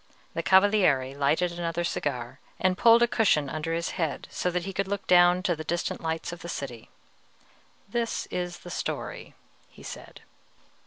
The Cavaliere lighted another cigar, and pulled a cushion under his head so that he could look down to the distant lights of the city. "This is the story," he said.